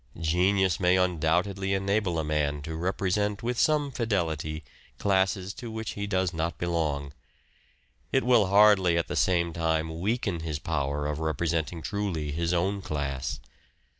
Genius may undoubtedly enable a man to represent with some fidelity classes to which he does not belong ; it will hardly at the same time weaken his power of repre senting truly his own class.